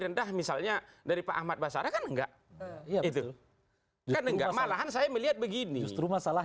terima kasih pak